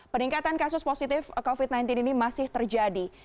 peningkatan kasus positif covid sembilan belas ini masih terjadi